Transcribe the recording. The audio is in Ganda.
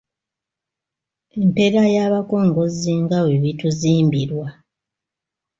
Empeera y’abakongozzi nga bwe bituzimbirwa